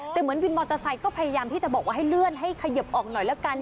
แต่เหมือนวินมอเตอร์ไซค์ก็พยายามที่จะบอกว่าให้เลื่อนให้ขยิบออกหน่อยแล้วกัน